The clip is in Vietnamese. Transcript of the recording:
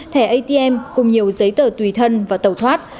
thẻ atm cùng nhiều giấy tờ tùy thân và tẩu thoát